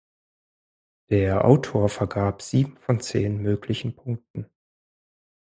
Der Autor vergab sieben von zehn möglichen Punkten.